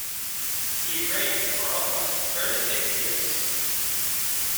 He reigned for almost thirty-six years.